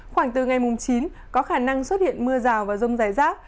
khoảng từ ngày mùng chín có khả năng xuất hiện mưa rào và rông rải rác